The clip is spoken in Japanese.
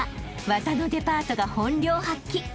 ［技のデパートが本領発揮］